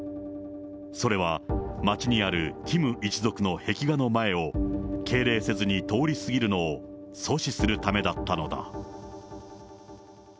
それは、街にあるキム一族の壁画の前を敬礼せずに通り過ぎるのを阻止するためだったのだ。